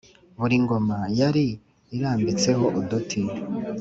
buri ngoma yari irambitseho uduti